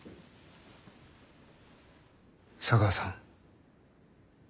茶川さん。